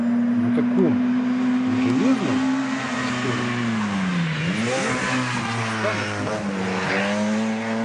На каком — на железном, что ли, эксперте не встанут дыбом волоса?